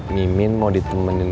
mimin mau ditemenin